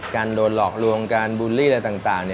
โดนหลอกลวงการบูลลี่อะไรต่าง